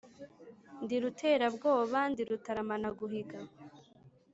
Ndi Ruterabwoba ndi Rutaramanaguhiga.